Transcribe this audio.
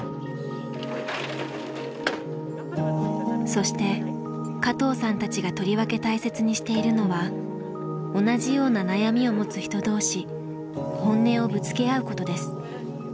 そして加藤さんたちがとりわけ大切にしているのは同じような悩みを持つ人同士本音をぶつけ合うことです。